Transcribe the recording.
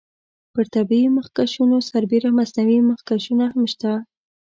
پر طبیعي مخکشونو سربیره مصنوعي مخکشونه هم شته.